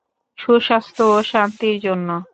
সুস্বাস্থ্য ও শান্তির জন্য।